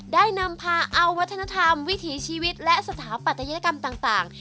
ได้นำพาเอาวัฒนธรรมวิถีชีวิตและสถาปัตยกรรมต่าง